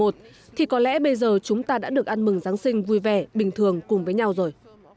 thì có lẽ bây giờ chúng ta đã được ăn mừng giáng sinh vui vẻ bình thường cùng với nhau rồi